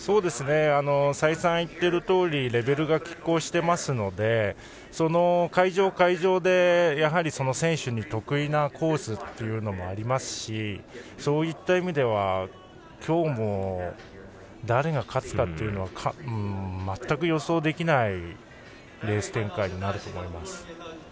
再三、言っているとおりレベルがきっ抗していますのでその会場、会場で選手に得意なコースもありますしそういった意味では今日も誰が勝つかというのは全く予想できないレース展開になると思います。